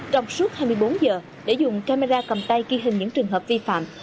đọc suốt hai mươi bốn h để dùng camera cầm tay ghi hình những trường hợp vi phạm